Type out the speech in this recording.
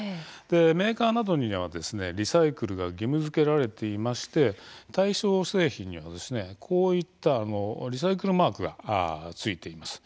メーカーなどにはリサイクルが義務づけられていまして対象製品にはリサイクルマークがついています。